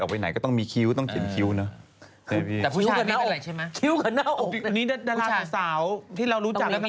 ออกไปไหนก็ต้องมีคิ้วต้องเขียนคิ้วเนอะ